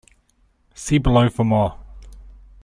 See below for more.